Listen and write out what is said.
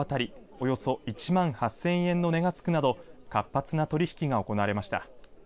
およそ１万８０００円の値がつくなど活発な取引が行われました。